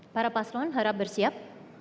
para paslon harap bersiap